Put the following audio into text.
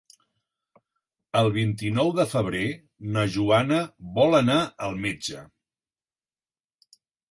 El vint-i-nou de febrer na Joana vol anar al metge.